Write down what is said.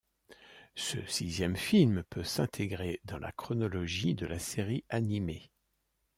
Ce sixième film peut s'intégrer dans la chronologie de la série animée.